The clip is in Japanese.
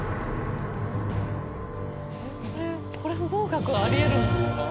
これ不合格はありえるんですか？